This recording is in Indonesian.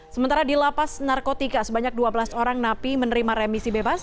sementara di lapas narkotika sebanyak dua belas orang napi menerima remisi bebas